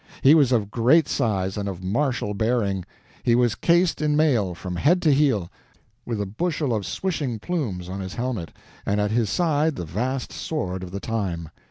He was of great size and of martial bearing, he was cased in mail from head to heel, with a bushel of swishing plumes on his helmet, and at his side the vast sword of the time.